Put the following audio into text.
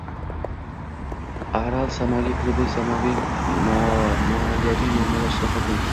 Aral Samali klubi moliyaviy muammolar ichida qolgan